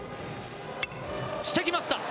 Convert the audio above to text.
してきました。